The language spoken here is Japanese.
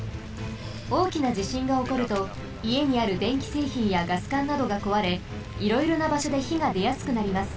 おおきなじしんがおこるといえにあるでんきせいひんやガスかんなどがこわれいろいろなばしょでひがでやすくなります。